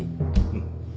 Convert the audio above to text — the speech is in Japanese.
うん。